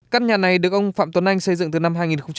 căn nhà này được ông phạm tuấn anh xây dựng từ năm hai nghìn một mươi